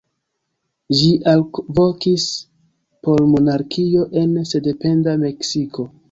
Ĝi alvokis por monarkio en sendependa Meksiko.